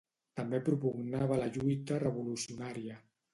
També propugnava la lluita revolucionària.